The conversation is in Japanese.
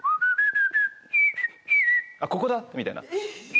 あっここだ！みたいな。